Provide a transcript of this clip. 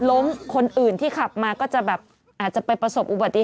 ล้มคนอื่นที่ขับมาก็เป็นประสบอุบัติเหตุ